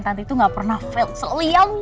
tante itu ngga pernah fail seliam